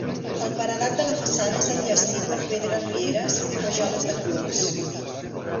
El paredat de la façana és enllestit per pedres rieres i rajoles de colors.